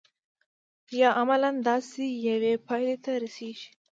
یا عملاً داسې یوې پایلې ته رسیږي.